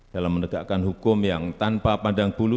dalam menegakkan hukum yang tanpa pandang bulu